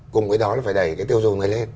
cùng với đó là phải đẩy cái tiêu dùng này lên